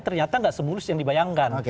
ternyata nggak semulus yang dibayangkan